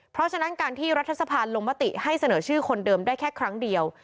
เพราะฉะนั้นการที่รัฐสภาลงมติให้เสนอชื่อคนเดิมได้แค่ครั้งเดียว